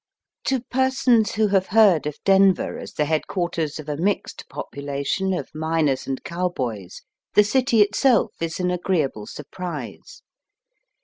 To persons who have heard of Denver as the head qnarters of a mixed population of miners and cowboys, the city itseK is an agreeable surprise.